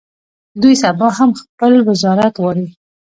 دوی سبا هم خپل وزارت غواړي.